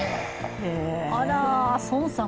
あら、宋さん